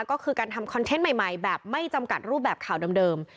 ก็คือการทำคอนเทนต์ใหม่แบบไม่จำกัดรูปแบบข่าวเดิม